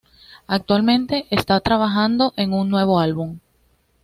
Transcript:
Actualmente, está trabajando en un nuevo álbum.